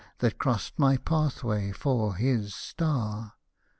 That crossed my pathway, for his star.